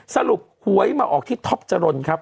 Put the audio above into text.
สรุปหวยมาออกที่ท็อปจารนด์ครับ